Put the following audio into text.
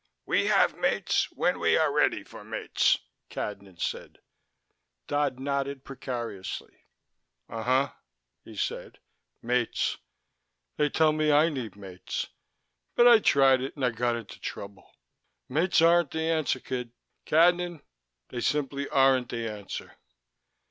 "We have mates, when we are ready for mates," Cadnan said. Dodd nodded precariously. "Uh huh," he said. "Mates. They tell me I need mates, but I tried it and I got into trouble. Mates aren't the answer, kid. Cadnan. They simply aren't the answer."